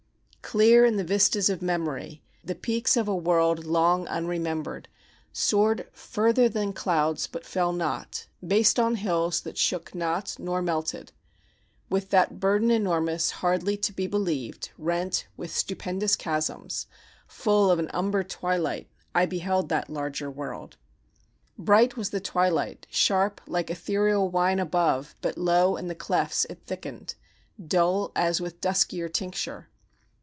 Clear in the vistas of memory, The peaks of a world long unremembered, Soared further than clouds but fell not, Based on hills that shook not nor melted With that burden enormous, hardly to be believed. Rent with stupendous chasms, Full of an umber twilight, I beheld that larger world; Bright was the twilight, sharp like ethereal wine Above, but low in the clefts it thickened, Dull as with duskier tincture.